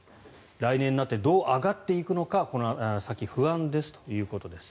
来年になってどう上がっていくのかこの先不安ですということです。